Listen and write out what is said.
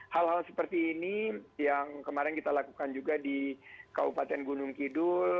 hal hal seperti ini yang kemarin kita lakukan juga di kabupaten gunung kidul